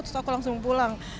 terus aku langsung pulang